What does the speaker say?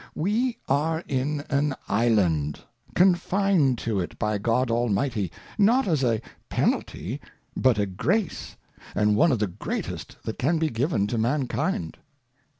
We are in an Island, confined to it by God Almighty, not as a Penalty but a Grace, and one of the greatest that can be given to Mankind.